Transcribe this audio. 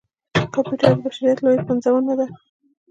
کمپیوټر د بشريت لويه پنځونه ده.